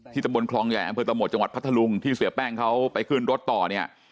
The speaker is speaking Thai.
ที่ตำรวจคลองแห่งอำเภอตำรวจจังหวัดพัทธรุงที่เสียแป้งเขาไปขึ้นรถต่อเนี่ย